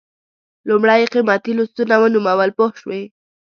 لومړی یې قیمتي لوستونه ونومول پوه شوې!.